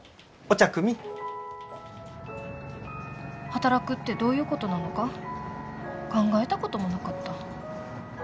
働くってどういうことなのか考えたこともなかった。